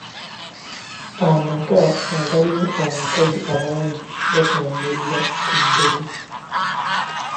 Amaka agalimu abakazi abangi gatambulira ku ddogo.